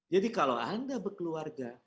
jadi kalau anda berkeluarga